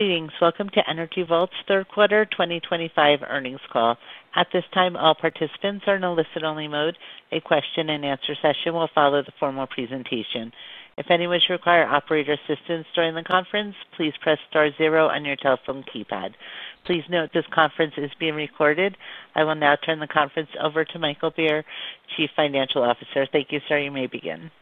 Greetings. Welcome to Energy Vault's Third Quarter 2025 Earnings Call. At this time, all participants are in a listen-only mode. A question-and-answer session will follow the formal presentation. If anyone should require operator assistance during the conference, please press star zero on your telephone keypad. Please note this conference is being recorded. I will now turn the conference over to Michael Beer, Chief Financial Officer. Thank you, sir. You may begin.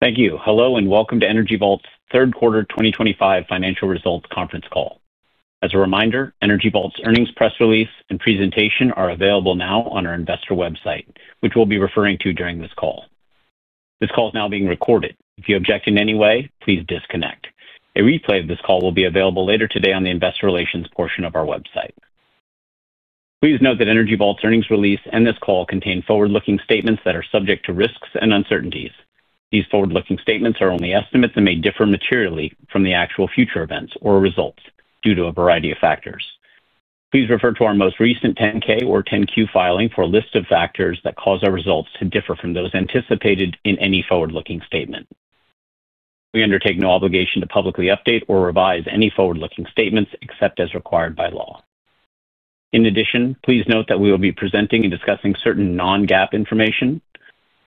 Thank you. Hello and welcome to Energy Vault's Third Quarter 2025 Financial Results Conference Call. As a reminder, Energy Vault's earnings press release and presentation are available now on our investor website, which we'll be referring to during this call. This call is now being recorded. If you object in any way, please disconnect. A replay of this call will be available later today on the Investor Relations portion of our website. Please note that Energy Vault's earnings release and this call contain forward-looking statements that are subject to risks and uncertainties. These forward-looking statements are only estimates and may differ materially from the actual future events or results due to a variety of factors. Please refer to our most recent 10-K or 10-Q filing for a list of factors that cause our results to differ from those anticipated in any forward-looking statement. We undertake no obligation to publicly update or revise any forward-looking statements except as required by law. In addition, please note that we will be presenting and discussing certain non-GAAP information.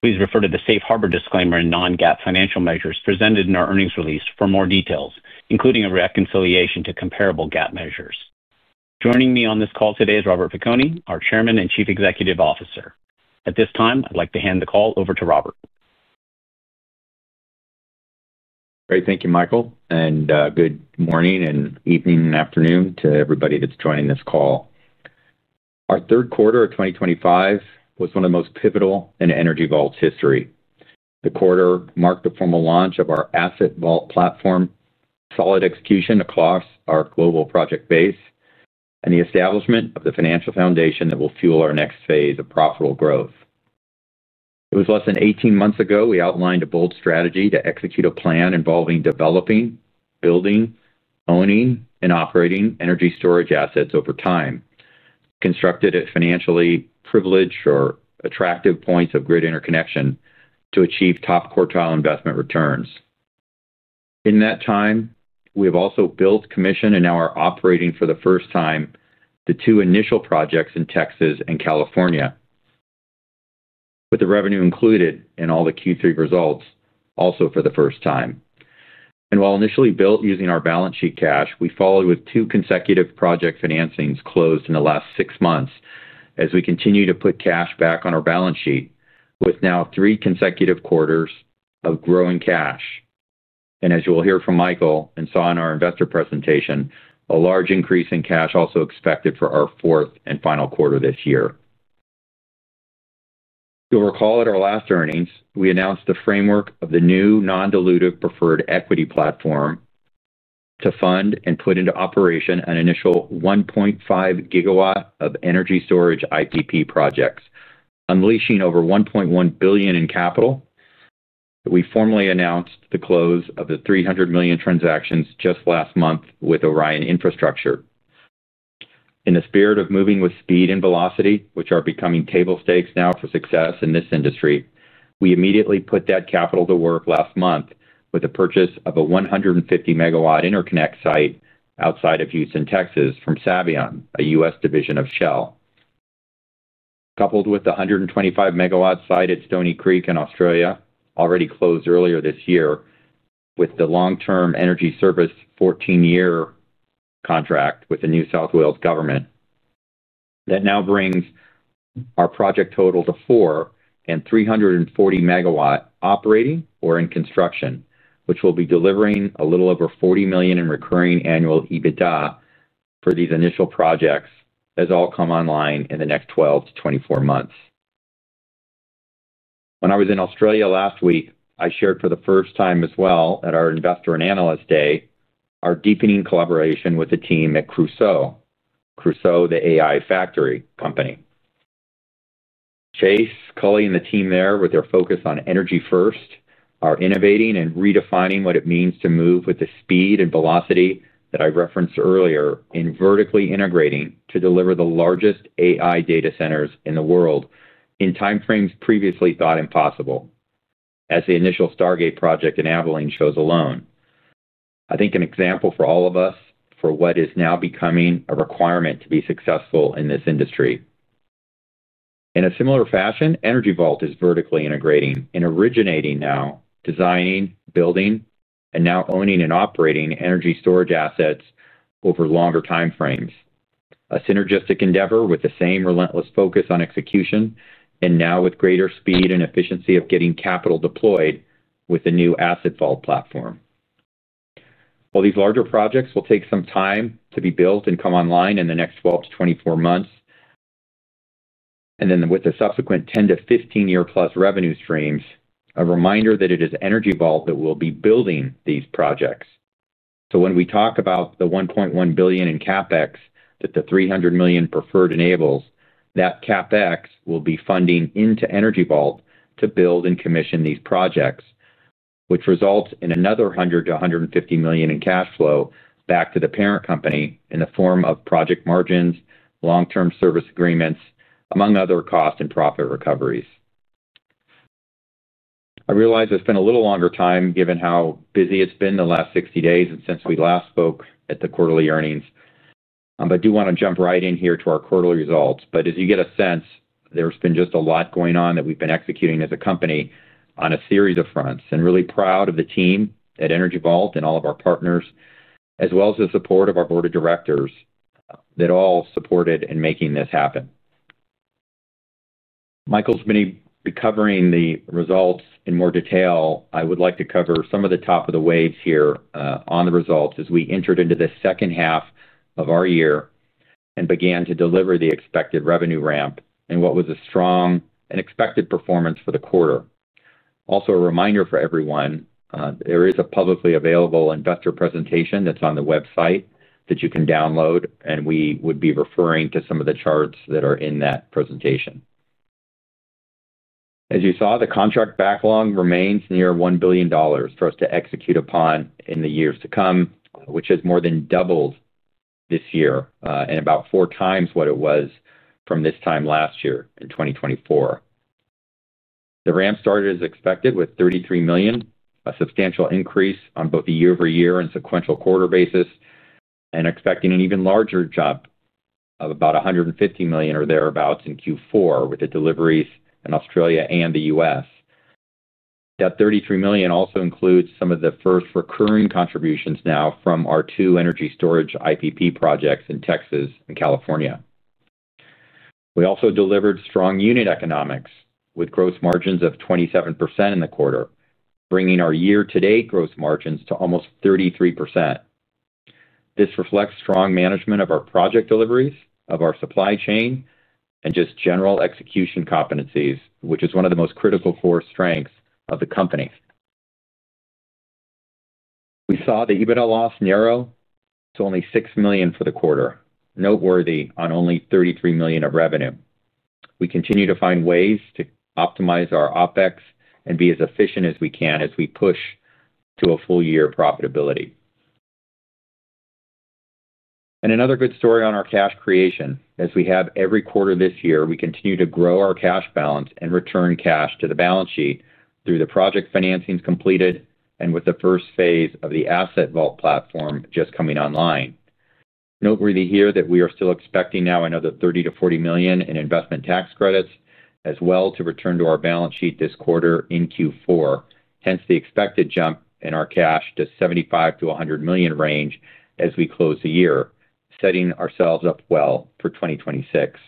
Please refer to the safe harbor disclaimer and non-GAAP financial measures presented in our earnings release for more details, including a reconciliation to comparable GAAP measures. Joining me on this call today is Robert Piconi, our Chairman and Chief Executive Officer. At this time, I'd like to hand the call over to Robert. Great. Thank you, Michael. Good morning and evening and afternoon to everybody that's joining this call. Our third quarter of 2025 was one of the most pivotal in Energy Vault's history. The quarter marked the formal launch of our Asset Vault platform, solid execution across our global project base, and the establishment of the financial foundation that will fuel our next phase of profitable growth. It was less than 18 months ago we outlined a bold strategy to execute a plan involving developing, building, owning, and operating energy storage assets over time, constructed at financially privileged or attractive points of grid interconnection to achieve top quartile investment returns. In that time, we have also built, commissioned, and now are operating for the first time the two initial projects in Texas and California, with the revenue included in all the Q3 results also for the first time. While initially built using our balance sheet cash, we followed with two consecutive project financings closed in the last six months as we continue to put cash back on our balance sheet with now three consecutive quarters of growing cash. As you will hear from Michael and saw in our investor presentation, a large increase in cash is also expected for our fourth and final quarter this year. You'll recall at our last earnings, we announced the framework of the new non-dilutive preferred equity platform to fund and put into operation an initial 1.5 GW of energy storage IPP projects, unleashing over $1.1 billion in capital. We formally announced the close of the $300 million transaction just last month with Orion Infrastructure. In the spirit of moving with speed and velocity, which are becoming table stakes now for success in this industry, we immediately put that capital to work last month with the purchase of a 150 MW interconnect site outside of Houston, Texas, from Savion, a U.S. division of Shell, coupled with the 125 MW site at Stony Creek in Australia, already closed earlier this year with the long-term energy service 14-year contract with the New South Wales government. That now brings our project total to four and 340 MW operating or in construction, which will be delivering a little over $40 million in recurring annual EBITDA for these initial projects as all come online in the next 12 to 24 months. When I was in Australia last week, I shared for the first time as well at our investor and analyst day our deepening collaboration with the team at Crusoe, Crusoe the AI factory company. Chase, Cully, and the team there with their focus on energy first are innovating and redefining what it means to move with the speed and velocity that I referenced earlier in vertically integrating to deliver the largest AI data centers in the world in timeframes previously thought impossible, as the initial Stargate project in Abilene shows alone. I think an example for all of us for what is now becoming a requirement to be successful in this industry. In a similar fashion, Energy Vault is vertically integrating and originating now, designing, building, and now owning and operating energy storage assets over longer timeframes, a synergistic endeavor with the same relentless focus on execution and now with greater speed and efficiency of getting capital deployed with the new Asset Vault platform. While these larger projects will take some time to be built and come online in the next 12-24 months, and then with the subsequent 10-15 year plus revenue streams, a reminder that it is Energy Vault that will be building these projects. When we talk about the $1.1 billion in CapEx that the $300 million preferred enables, that CapEx will be funding into Energy Vault to build and commission these projects, which results in another $100-$150 million in cash flow back to the parent company in the form of project margins, long-term service agreements, among other cost and profit recoveries. I realize I spent a little longer time given how busy it's been the last 60 days since we last spoke at the quarterly earnings, but I do want to jump right in here to our quarterly results. As you get a sense, there's been just a lot going on that we've been executing as a company on a series of fronts and really proud of the team at Energy Vault and all of our partners, as well as the support of our board of directors that all supported in making this happen. Michael's been covering the results in more detail. I would like to cover some of the top of the waves here on the results as we entered into the second half of our year and began to deliver the expected revenue ramp and what was a strong and expected performance for the quarter. Also, a reminder for everyone, there is a publicly available investor presentation that's on the website that you can download, and we would be referring to some of the charts that are in that presentation. As you saw, the contract backlog remains near $1 billion for us to execute upon in the years to come, which has more than doubled this year and about four times what it was from this time last year in 2024. The ramp started as expected with $33 million, a substantial increase on both a year-over-year and sequential quarter basis, and expecting an even larger job of about $150 million or thereabouts in Q4 with the deliveries in Australia and the U.S. That $33 million also includes some of the first recurring contributions now from our two energy storage IPP projects in Texas and California. We also delivered strong unit economics with gross margins of 27% in the quarter, bringing our year-to-date gross margins to almost 33%. This reflects strong management of our project deliveries, of our supply chain, and just general execution competencies, which is one of the most critical core strengths of the company. We saw the EBITDA loss narrow to only $6 million for the quarter, noteworthy on only $33 million of revenue. We continue to find ways to optimize our OpEx and be as efficient as we can as we push to a full year profitability. Another good story on our cash creation. As we have every quarter this year, we continue to grow our cash balance and return cash to the balance sheet through the project financings completed and with the first phase of the Asset Vault platform just coming online. Noteworthy here that we are still expecting now another $30 million-$40 million in investment tax credits as well to return to our balance sheet this quarter in Q4, hence the expected jump in our cash to $75 million-$100 million range as we close the year, setting ourselves up well for 2026.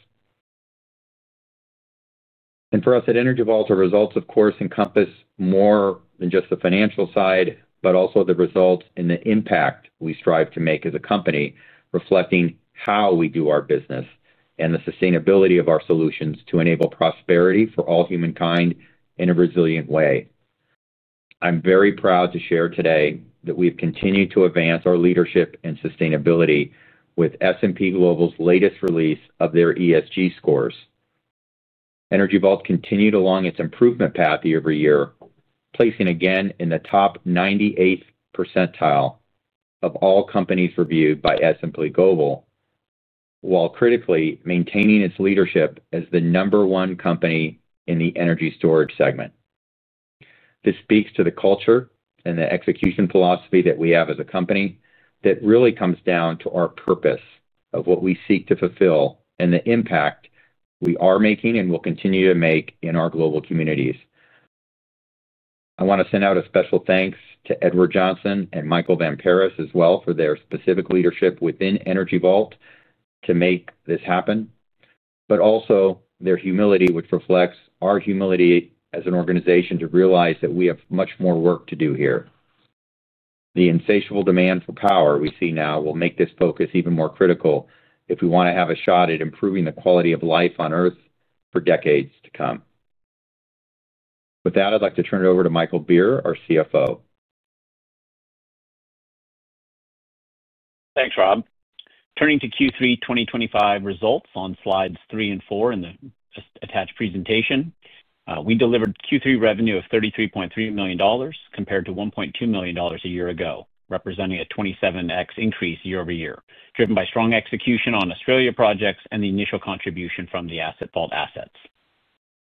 For us at Energy Vault, our results, of course, encompass more than just the financial side, but also the results and the impact we strive to make as a company, reflecting how we do our business and the sustainability of our solutions to enable prosperity for all humankind in a resilient way. I'm very proud to share today that we have continued to advance our leadership and sustainability with S&P Global's latest release of their ESG scores. Energy Vault continued along its improvement path year over year, placing again in the top 98% of all companies reviewed by S&P Global, while critically maintaining its leadership as the number one company in the energy storage segment. This speaks to the culture and the execution philosophy that we have as a company that really comes down to our purpose of what we seek to fulfill and the impact we are making and will continue to make in our global communities. I want to send out a special thanks to Edward Johnson and Michael Van Paris as well for their specific leadership within Energy Vault to make this happen, but also their humility, which reflects our humility as an organization to realize that we have much more work to do here. The insatiable demand for power we see now will make this focus even more critical if we want to have a shot at improving the quality of life on Earth for decades to come. With that, I'd like to turn it over to Michael Beer, our CFO. Thanks, Rob. Turning to Q3 2025 results on slides three and four in the attached presentation, we delivered Q3 revenue of $33.3 million compared to $1.2 million a year ago, representing a 27X increase year over year, driven by strong execution on Australia projects and the initial contribution from the Asset Vault assets.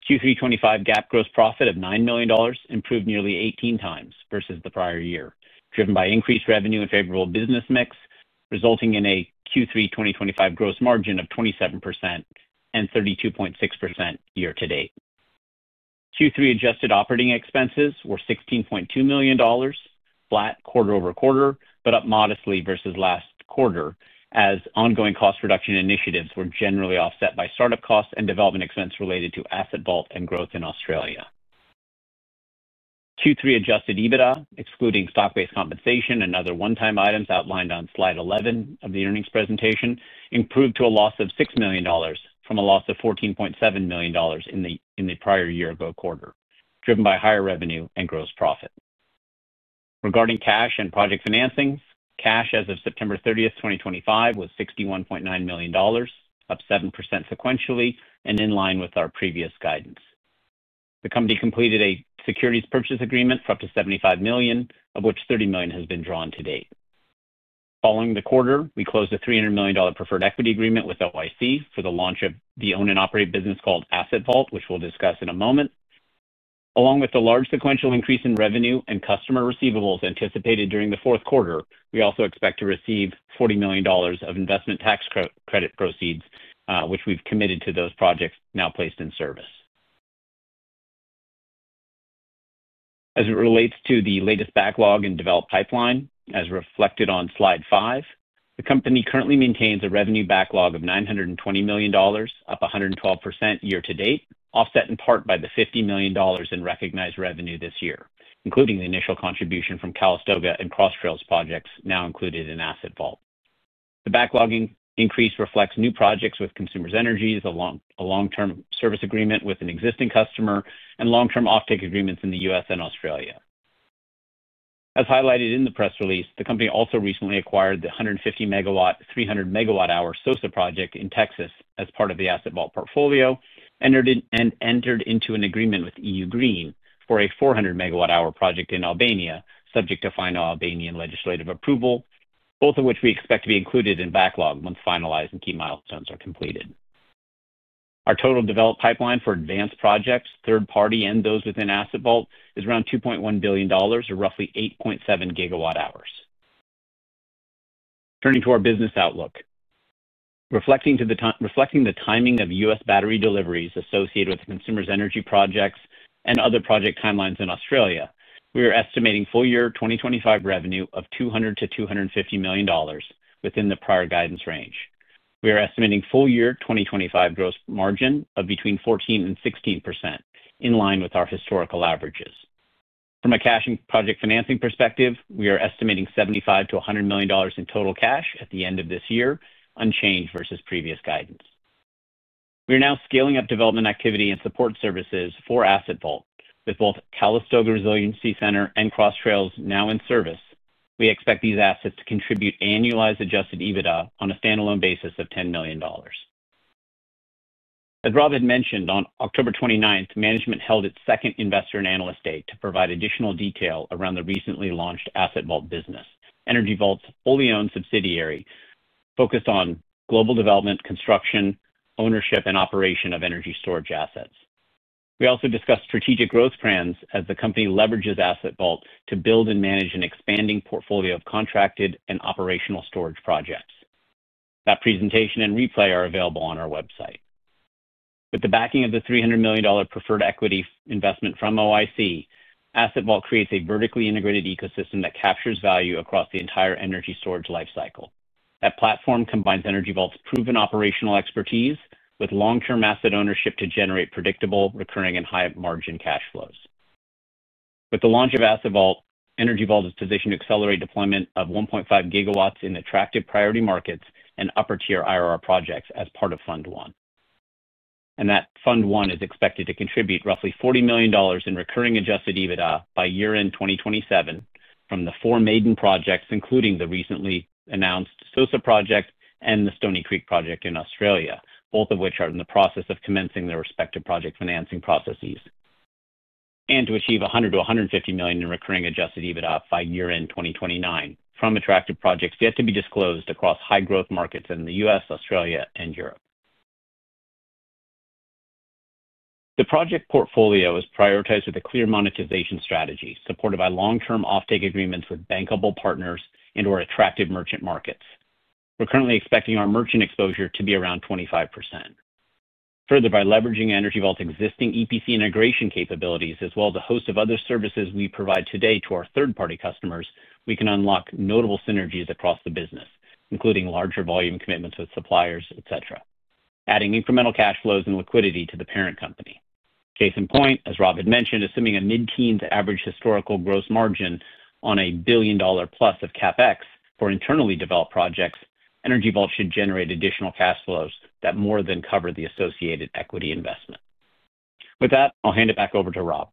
Q3 2025 GAAP gross profit of $9 million improved nearly 18 times versus the prior year, driven by increased revenue and favorable business mix, resulting in a Q3 2025 gross margin of 27% and 32.6% year to date. Q3 adjusted operating expenses were $16.2 million, flat quarter over quarter, but up modestly versus last quarter as ongoing cost reduction initiatives were generally offset by startup costs and development expense related to Asset Vault and growth in Australia. Q3 adjusted EBITDA, excluding stock-based compensation and other one-time items outlined on slide 11 of the earnings presentation, improved to a loss of $6 million from a loss of $14.7 million in the prior year-ago quarter, driven by higher revenue and gross profit. Regarding cash and project financings, cash as of September 30, 2025, was $61.9 million, up 7% sequentially and in line with our previous guidance. The company completed a securities purchase agreement for up to $75 million, of which $30 million has been drawn to date. Following the quarter, we closed a $300 million preferred equity agreement with Orion Infrastructure Capital for the launch of the owned and operated business called Asset Vault, which we'll discuss in a moment. Along with the large sequential increase in revenue and customer receivables anticipated during the fourth quarter, we also expect to receive $40 million of investment tax credit proceeds, which we've committed to those projects now placed in service. As it relates to the latest backlog and developed pipeline, as reflected on slide five, the company currently maintains a revenue backlog of $920 million, up 112% year to date, offset in part by the $50 million in recognized revenue this year, including the initial contribution from Calistoga and Cross Trails projects now included in Asset Vault. The backlog increase reflects new projects with Consumers Energy, a long-term service agreement with an existing customer, and long-term offtake agreements in the U.S. and Australia. As highlighted in the press release, the company also recently acquired the 150-megawatt, 300-megawatt-hour SOSA project in Texas as part of the Asset Vault portfolio and entered into an agreement with EU Green for a 400 MW-hour project in Albania, subject to final Albanian legislative approval, both of which we expect to be included in backlog once finalized and key milestones are completed. Our total developed pipeline for advanced projects, third-party, and those within Asset Vault is around $2.1 billion, or roughly 8.7 gigawatt-hours. Turning to our business outlook, reflecting the timing of U.S. battery deliveries associated with Consumers Energy projects and other project timelines in Australia, we are estimating full year 2025 revenue of $200-$250 million within the prior guidance range. We are estimating full year 2025 gross margin of between 14% and 16%, in line with our historical averages. From a cash and project financing perspective, we are estimating $75-$100 million in total cash at the end of this year, unchanged versus previous guidance. We are now scaling up development activity and support services for Asset Vault. With both Calistoga Resiliency Center and Cross Trails now in service, we expect these assets to contribute annualized adjusted EBITDA on a standalone basis of $10 million. As Rob had mentioned, on October 29th, management held its second investor and analyst date to provide additional detail around the recently launched Asset Vault business, Energy Vault's fully owned subsidiary focused on global development, construction, ownership, and operation of energy storage assets. We also discussed strategic growth trends as the company leverages Asset Vault to build and manage an expanding portfolio of contracted and operational storage projects. That presentation and replay are available on our website. With the backing of the $300 million preferred equity investment from OIC, Asset Vault creates a vertically integrated ecosystem that captures value across the entire energy storage lifecycle. That platform combines Energy Vault's proven operational expertise with long-term asset ownership to generate predictable, recurring, and high-margin cash flows. With the launch of Asset Vault, Energy Vault is positioned to accelerate deployment of 1.5 GW in attractive priority markets and upper-tier IRR projects as part of Fund One. Fund One is expected to contribute roughly $40 million in recurring adjusted EBITDA by year-end 2027 from the four maiden projects, including the recently announced SOSA project and the Stony Creek project in Australia, both of which are in the process of commencing their respective project financing processes, and to achieve $100-$150 million in recurring adjusted EBITDA by year-end 2029 from attractive projects yet to be disclosed across high-growth markets in the U.S., Australia, and Europe. The project portfolio is prioritized with a clear monetization strategy supported by long-term offtake agreements with bankable partners and/or attractive merchant markets. We're currently expecting our merchant exposure to be around 25%. Further, by leveraging Energy Vault's existing EPC integration capabilities, as well as a host of other services we provide today to our third-party customers, we can unlock notable synergies across the business, including larger volume commitments with suppliers, etc., adding incremental cash flows and liquidity to the parent company. Case in point, as Rob had mentioned, assuming a mid-teens average historical gross margin on a billion-dollar-plus of CapEx for internally developed projects, Energy Vault should generate additional cash flows that more than cover the associated equity investment. With that, I'll hand it back over to Rob.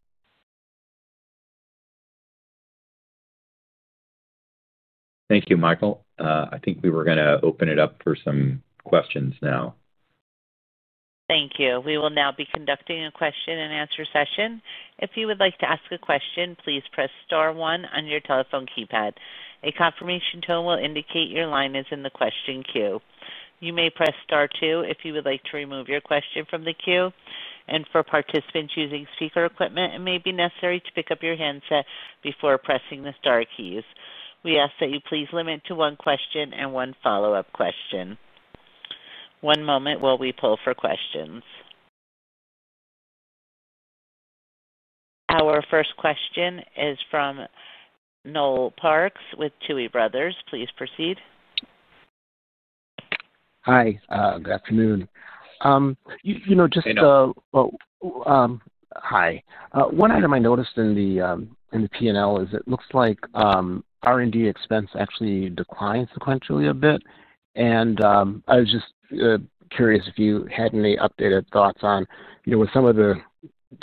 Thank you, Michael. I think we were going to open it up for some questions now. Thank you. We will now be conducting a question-and-answer session. If you would like to ask a question, please press Star one on your telephone keypad. A confirmation tone will indicate your line is in the question queue. You may press Star two if you would like to remove your question from the queue. For participants using speaker equipment, it may be necessary to pick up your handset before pressing the Star keys. We ask that you please limit to one question and one follow-up question. One moment while we pull for questions. Our first question is from Noel Parks with Tuohy Brothers. Please proceed. Hi. Good afternoon. Just. Thank you. Hi. One item I noticed in the P&L is it looks like R&D expense actually declined sequentially a bit. I was just curious if you had any updated thoughts on, with some of the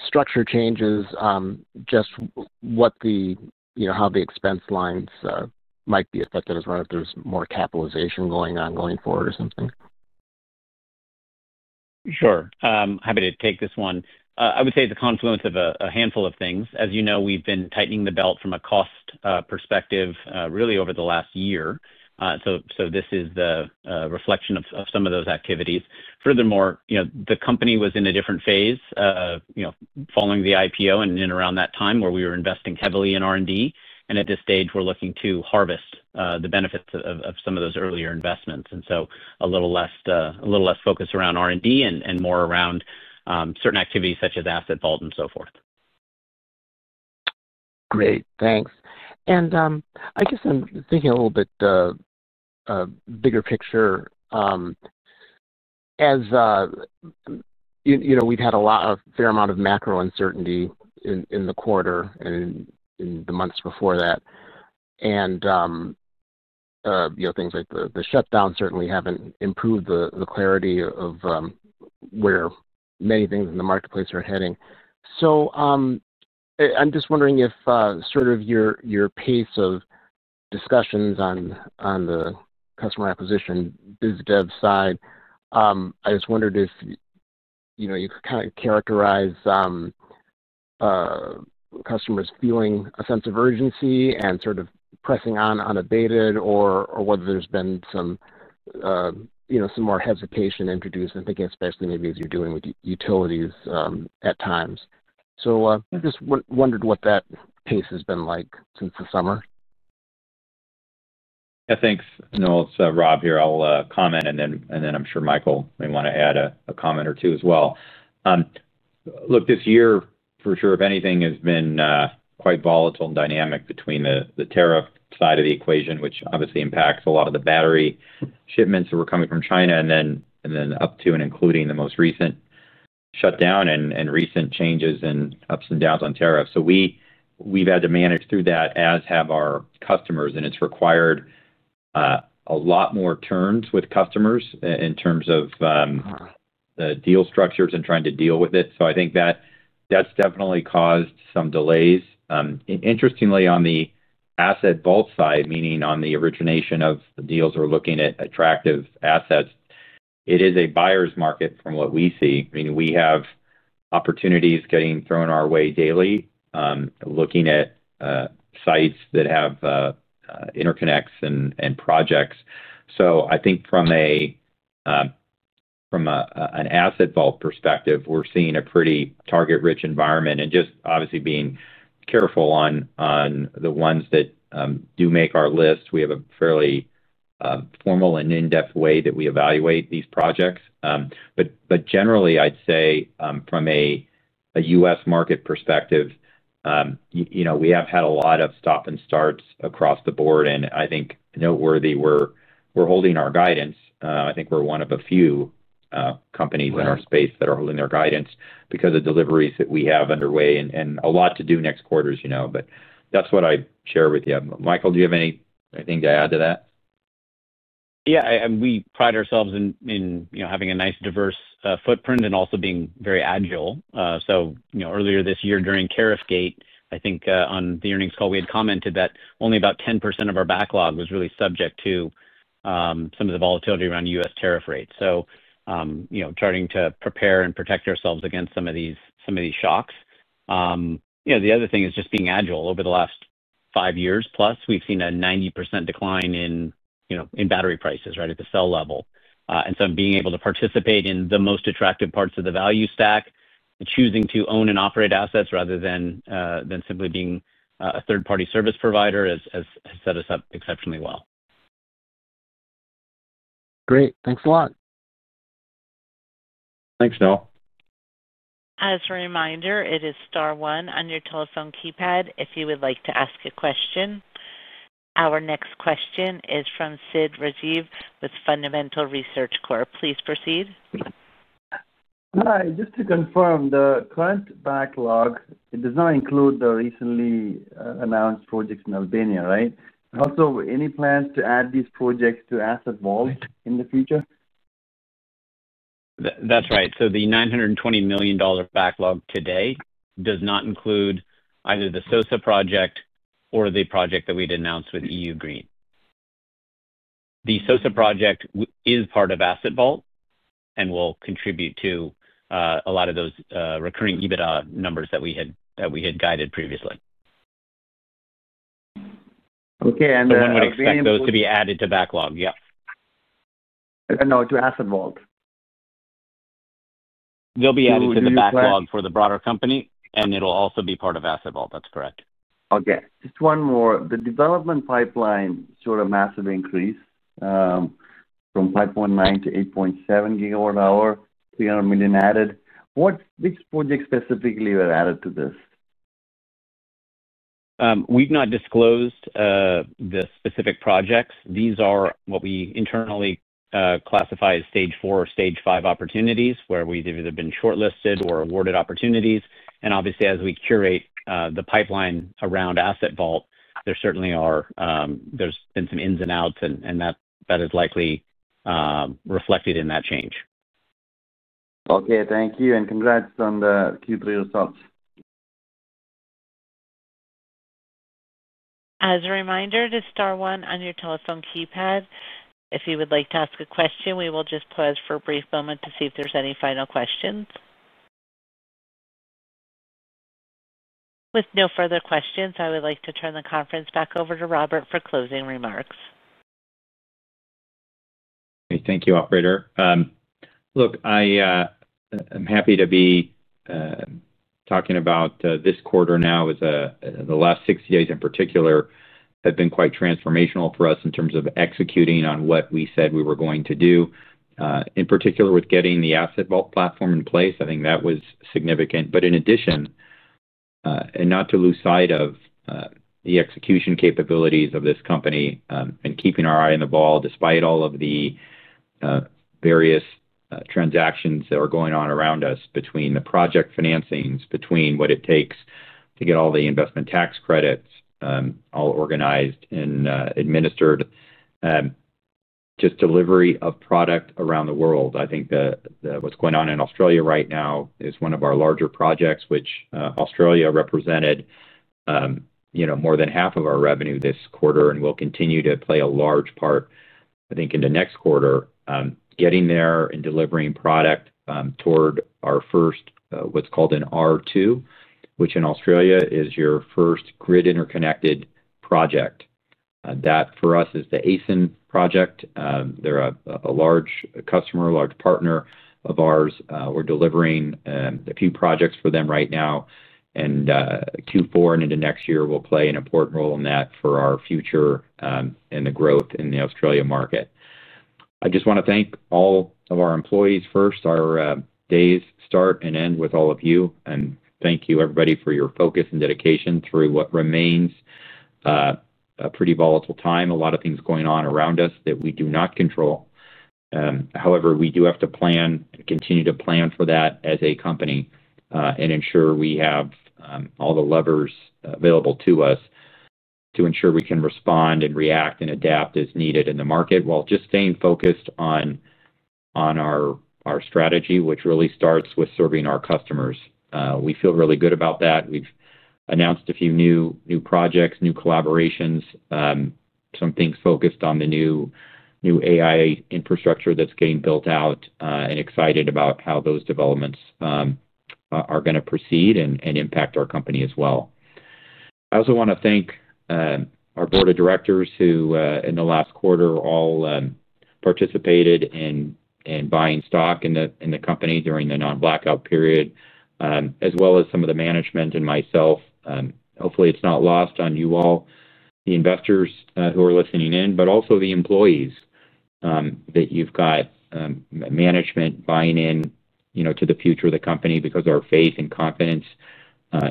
structure changes, just how the expense lines might be affected as well if there's more capitalization going on going forward or something. Sure. Happy to take this one. I would say it's a confluence of a handful of things. As you know, we've been tightening the belt from a cost perspective really over the last year. This is the reflection of some of those activities. Furthermore, the company was in a different phase following the IPO and in around that time where we were investing heavily in R&D. At this stage, we're looking to harvest the benefits of some of those earlier investments. There is a little less focus around R&D and more around certain activities such as Asset Vault and so forth. Great. Thanks. I guess I'm thinking a little bit bigger picture. We've had a fair amount of macro uncertainty in the quarter and in the months before that. Things like the shutdown certainly haven't improved the clarity of where many things in the marketplace are heading. I'm just wondering if sort of your pace of discussions on the customer acquisition, biz dev side, I just wondered if you could kind of characterize customers feeling a sense of urgency and sort of pressing on unabated or whether there's been some more hesitation introduced and thinking especially maybe as you're doing with utilities at times. I just wondered what that pace has been like since the summer. Yeah. Thanks, Noel. It's Rob here. I'll comment, and then I'm sure Michael may want to add a comment or two as well. Look, this year, for sure, if anything, has been quite volatile and dynamic between the tariff side of the equation, which obviously impacts a lot of the battery shipments that were coming from China and then up to and including the most recent shutdown and recent changes and ups and downs on tariffs. We've had to manage through that, as have our customers, and it's required a lot more terms with customers in terms of the deal structures and trying to deal with it. I think that's definitely caused some delays. Interestingly, on the Asset Vault side, meaning on the origination of the deals or looking at attractive assets, it is a buyer's market from what we see. I mean, we have opportunities getting thrown our way daily, looking at sites that have interconnects and projects. I think from an Asset Vault perspective, we're seeing a pretty target-rich environment. Just obviously being careful on the ones that do make our list, we have a fairly formal and in-depth way that we evaluate these projects. Generally, I'd say from a U.S. market perspective, we have had a lot of stop-and-starts across the board. I think noteworthy, we're holding our guidance. I think we're one of a few companies in our space that are holding their guidance because of deliveries that we have underway and a lot to do next quarter. That's what I share with you. Michael, do you have anything to add to that? Yeah. We pride ourselves in having a nice diverse footprint and also being very agile. Earlier this year during tariff gate, I think on the earnings call, we had commented that only about 10% of our backlog was really subject to some of the volatility around U.S. tariff rates. Starting to prepare and protect ourselves against some of these shocks. The other thing is just being agile. Over the last five years plus, we've seen a 90% decline in battery prices, right, at the cell level. Being able to participate in the most attractive parts of the value stack and choosing to own and operate assets rather than simply being a third-party service provider has set us up exceptionally well. Great. Thanks a lot. Thanks, Noel. As a reminder, it is Star one on your telephone keypad if you would like to ask a question. Our next question is from Sid Rajiv with Fundamental Research Corps. Please proceed. Hi. Just to confirm, the current backlog does not include the recently announced projects in Albania, right? Also, any plans to add these projects to Asset Vault in the future? That's right. The $920 million backlog today does not include either the SOSA project or the project that we'd announced with EU Green. The SOSA project is part of Asset Vault and will contribute to a lot of those recurring EBITDA numbers that we had guided previously. Okay. And. One would expect those to be added to backlog. Yep. No, to Asset Vault. They'll be added to the backlog for the broader company, and it'll also be part of Asset Vault. That's correct. Okay. Just one more. The development pipeline showed a massive increase from 5.9 to 8.7 GW-hour, $300 million added. Which projects specifically were added to this? We've not disclosed the specific projects. These are what we internally classify as stage four or stage five opportunities where these have either been shortlisted or awarded opportunities. Obviously, as we curate the pipeline around Asset Vault, there certainly are some ins and outs, and that is likely reflected in that change. Okay. Thank you. Congrats on the Q3 results. As a reminder, it is Star one on your telephone keypad. If you would like to ask a question, we will just pause for a brief moment to see if there are any final questions. With no further questions, I would like to turn the conference back over to Robert for closing remarks. Thank you, Operator. Look, I'm happy to be talking about this quarter now as the last 60 days in particular have been quite transformational for us in terms of executing on what we said we were going to do. In particular, with getting the Asset Vault platform in place, I think that was significant. In addition, and not to lose sight of the execution capabilities of this company and keeping our eye on the ball despite all of the various transactions that are going on around us between the project financings, between what it takes to get all the investment tax credits all organized and administered, just delivery of product around the world. I think what's going on in Australia right now is one of our larger projects, which Australia represented more than half of our revenue this quarter and will continue to play a large part, I think, in the next quarter. Getting there and delivering product toward our first what's called an R2, which in Australia is your first grid interconnected project. That for us is the Stony Creek project. They're a large customer, large partner of ours. We're delivering a few projects for them right now. Q4 and into next year, we'll play an important role in that for our future and the growth in the Australia market. I just want to thank all of our employees first. Our days start and end with all of you. Thank you, everybody, for your focus and dedication through what remains a pretty volatile time. A lot of things going on around us that we do not control. However, we do have to plan and continue to plan for that as a company and ensure we have all the levers available to us to ensure we can respond and react and adapt as needed in the market while just staying focused on our strategy, which really starts with serving our customers. We feel really good about that. We have announced a few new projects, new collaborations, some things focused on the new AI infrastructure that is getting built out and excited about how those developments are going to proceed and impact our company as well. I also want to thank our board of directors who in the last quarter all participated in buying stock in the company during the non-blackout period, as well as some of the management and myself. Hopefully, it's not lost on you all, the investors who are listening in, but also the employees that you've got, management buying into the future of the company because of our faith and confidence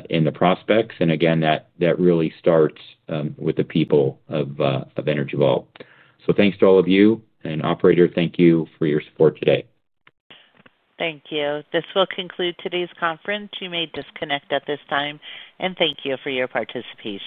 in the prospects. Again, that really starts with the people of Energy Vault. Thanks to all of you. Operator, thank you for your support today. Thank you. This will conclude today's conference. You may disconnect at this time. Thank you for your participation.